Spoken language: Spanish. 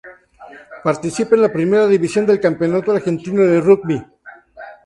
Participa en la Primera División del Campeonato Argentino de Rugby.